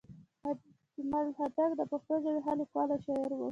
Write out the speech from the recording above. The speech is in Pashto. اجمل خټک د پښتو ژبې ښه لیکوال او شاعر وو